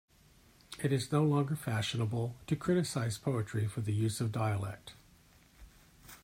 It is no longer fashionable to criticise poetry for the use of dialect.